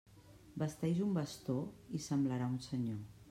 Vesteix un bastó i semblarà un senyor.